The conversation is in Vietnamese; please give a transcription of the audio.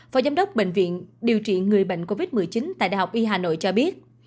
phó giám đốc bệnh viện điều trị người bệnh covid một mươi chín tại đại học y hà nội cho biết